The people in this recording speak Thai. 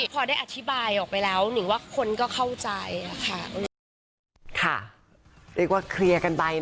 พอได้อธิบายออกไปแล้วหนึ่งว่าคนก็เข้าใจ